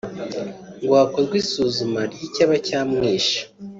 ngo hakorwe isuzuma ry’icyaba cyamwishe